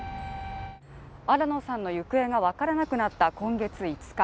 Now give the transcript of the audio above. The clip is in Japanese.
新野さんの行方がわからなくなった今月５日